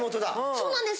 そうなんです。